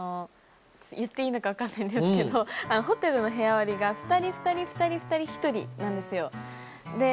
言っていいのか分かんないんですけどホテルの部屋割りが２人２人２人２人１人なんですよ。